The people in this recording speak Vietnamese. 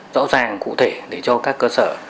rõ ràng cụ thể để cho các cơ sở